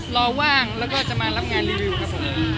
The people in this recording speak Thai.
แล้วก็จะมารับงานรีวิวครับผม